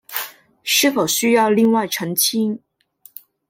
是否需要另外澄清